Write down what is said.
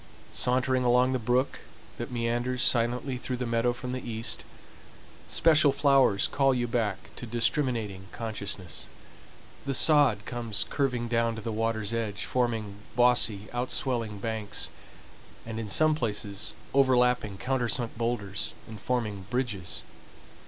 Sauntering along the brook that meanders silently through the meadow from the east, special flowers call you back to discriminating consciousness. The sod comes curving down to the water's edge, forming bossy outswelling banks, and in some places overlapping countersunk boulders and forming bridges.